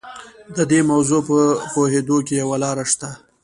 د دې موضوع په پوهېدو کې یوه لاره شته.